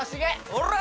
おら！